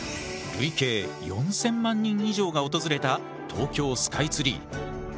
累計４，０００万人以上が訪れた東京スカイツリー。